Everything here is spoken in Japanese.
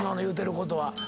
言うてることは。